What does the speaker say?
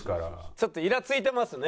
ちょっとイラついてますね。